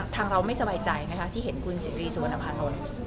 ทางเราไม่สบายใจที่เห็นคุณศิริสุวรรณภานนทร์